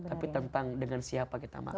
tapi tentang dengan siapa kita makan